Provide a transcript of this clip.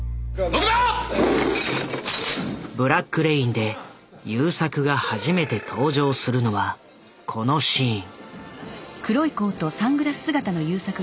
「ブラック・レイン」で優作が初めて登場するのはこのシーン。